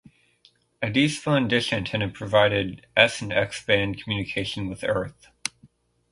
A despun dish antenna provided S and X band communication with Earth.